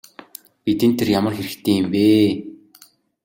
Бидэнд тэр ямар хэрэгтэй юм бэ?